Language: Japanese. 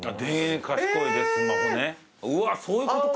うわっそういうことか。